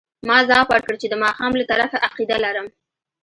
ما ځواب ورکړ چې د ماښام له طرفه عقیده لرم.